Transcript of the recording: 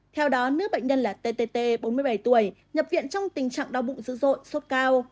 theo đó nữ bệnh nhân là tt bốn mươi bảy tuổi nhập viện trong tình trạng đau bụng dữ dội sốt cao